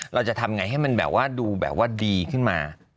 เราจะทำอย่างไรให้มันดูดีขึ้นมา